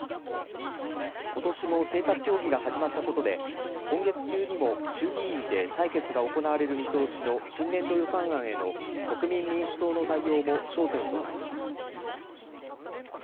ことしも政策協議が始まったことで今月中にも衆議院で採決が行われる見通しの新年度予算案への国民民主党の対応も焦点となります。